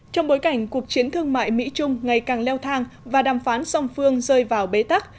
trong bối cảnh cuộc chiến thương mại mỹ trung ngày càng leo thang và đàm phán song phương rơi vào bế tắc